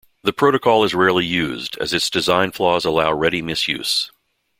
The protocol is rarely used, as its design flaws allow ready misuse.